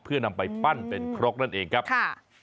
เพื่อนำไปปั้นเป็นครกนั่นเองครับค่ะ